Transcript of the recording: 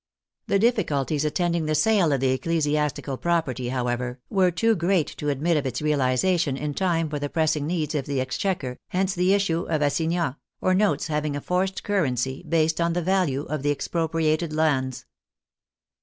The difficul ties attending the sale of the ecclesiastical property, how ever, were too great to admit of its realization in time for the pressing needs of the exchequer, hence the issue of assignafs, or notes having a forced currency, based on the value of the expropriated lands.